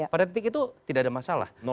pada titik itu tidak ada masalah